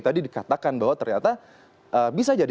tadi dikatakan bahwa ternyata bisa jadi